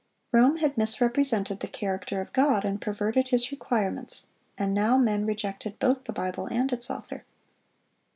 Rome had misrepresented the character of God, and perverted His requirements, and now men rejected both the Bible and its Author.